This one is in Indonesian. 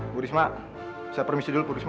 bu risma saya permisi dulu bu risma